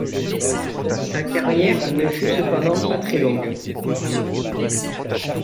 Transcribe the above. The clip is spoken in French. Sa carrière ne fut cependant pas très longue.